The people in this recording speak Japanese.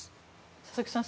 佐々木さん